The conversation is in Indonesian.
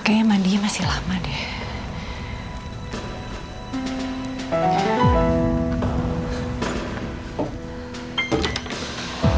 kenapa kamu lagi merlemah